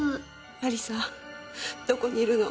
亜里沙どこにいるの？